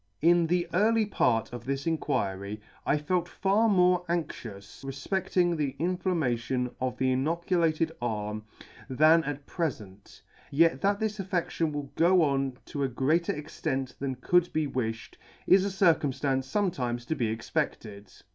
In the early part of this Inquiry I felt far more anxious refpecting the inflammation of the inoculated arm than at pre fent; yet that this affedtion will go on to a greater extent than could be wiflied, is a circumflance fometimes to be expected